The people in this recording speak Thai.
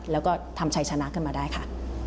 แล้วก็ทำชัยชนะขึ้นมาได้ค่ะ